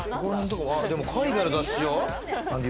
でも海外の雑誌。